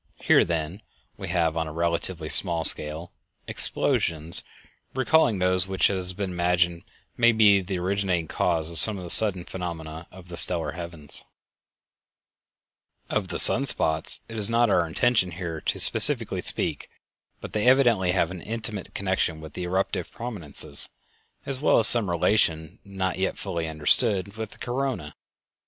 Here, then, we have on a relatively small scale, explosions recalling those which it has been imagined may be the originating cause of some of the sudden phenomena of the stellar heavens. [Illustration: A solar "prominence." Photographed May 21, 1907] Of the sun spots it is not our intention here specifically to speak, but they evidently have an intimate connection with eruptive prominences, as well as some relation, not yet fully understood, with the corona.